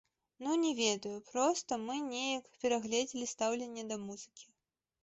Ну, не ведаю, проста мы неяк перагледзелі стаўленне да музыкі.